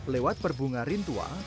lewat perbunga rintua